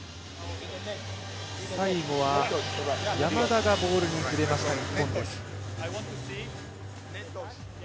最後は山田がボールに触れました、日本です。